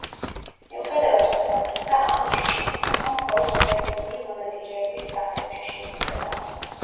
მიუხედავად ყველაფრისა, ამ ჯიშის ნახვა მხოლოდ სერიოზული მონადირეების სახლებში შეიძლება.